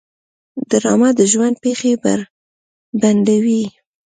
ډرامه د ژوند پېښې بربنډوي